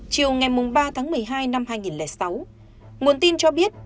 chiều ngày ba tháng một mươi hai năm hai nghìn sáu nguồn tin cho biết